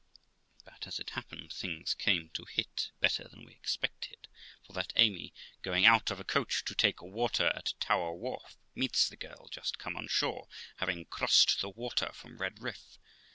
But, as it happened, things came to hit better than we expected ; for that Amy, going out of a coach to take water at Tower Wharf, meets the girl just come on shore, having crossed the water from Redriff.